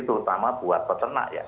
terutama buat peternak ya